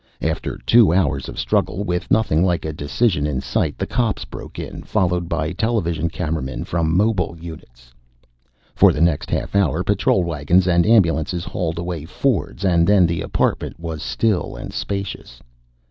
After two hours of struggle, with nothing like a decision in sight, the cops broke in, followed by television cameramen from mobile units. For the next half hour, patrol wagons and ambulances hauled away Fords, and then the apartment was still and spacious.